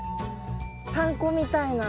パン粉みたいな。